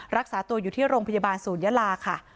รักษาตัวอยู่ที่โรงพยาบาลศูนยะลาค่ะ